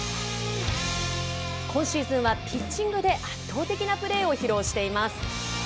今シーズンはピッチングで圧倒的なプレーを披露しています。